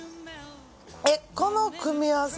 えっこの組み合わせ